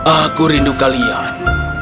aku rindu kalian